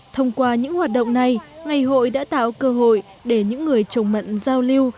thông qua những hoạt động này ngày hội đã tạo cơ hội để những người trồng mận giao lưu